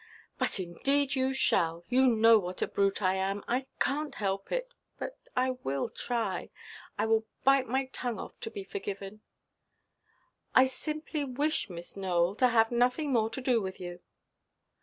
"But, indeed, you shall. You know what a brute I am. I canʼt help it; but I will try. I will bite my tongue off to be forgiven." "I simply wish, Miss Nowell, to have nothing more to do with you."